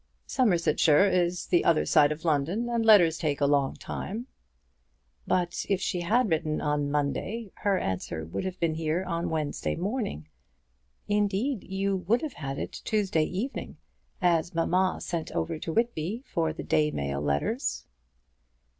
"Somersetshire is the other side of London, and letters take a long time." "But if she had written on Monday, her answer would have been here on Wednesday morning; indeed, you would have had it Tuesday evening, as mamma sent over to Whitby for the day mail letters."